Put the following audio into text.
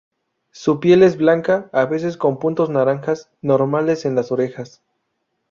Su piel es blanca, a veces con puntos naranjas, normales en las orejas.